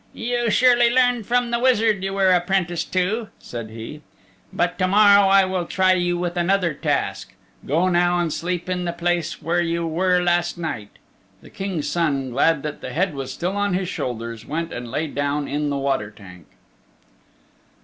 "You surely learned from the wizard you were apprenticed to," said he.. "But to morrow I will try you with another task. Go now and sleep in the place where you were last night." The King's Son, glad that the head was still on his shoulders, went and lay down in the water tank.